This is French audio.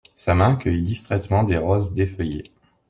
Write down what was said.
Sa main cueillit distraitement des roses défeuillées.